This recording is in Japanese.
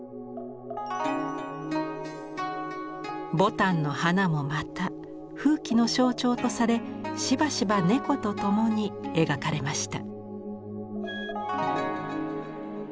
ボタンの花もまた富貴の象徴とされしばしば猫と共に描かれました。